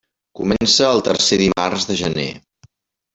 Comença el tercer dimarts de gener.